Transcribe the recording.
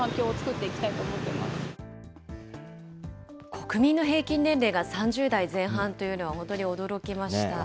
国民の平均年齢が３０代前半というのは本当に驚きました。